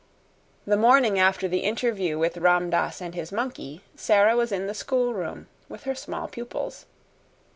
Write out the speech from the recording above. The morning after the interview with Ram Dass and his monkey, Sara was in the schoolroom with her small pupils.